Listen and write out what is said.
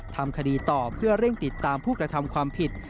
ทำคดีต่อเพื่อเร่งติดตามผู้กระทำความผิด